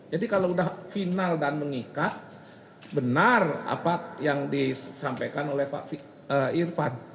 jadi kalau sudah final dan mengikat benar apa yang disampaikan oleh pak irfan